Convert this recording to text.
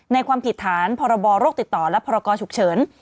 ความผิดฐานพรบโรคติดต่อและพรกรฉุกเฉิน